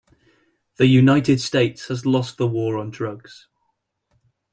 The United States has lost the war on drugs.